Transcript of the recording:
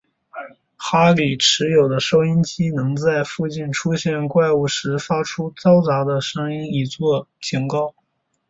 哈利持有的收音机能在附近出现怪物时发出嘈杂的声音以作警告。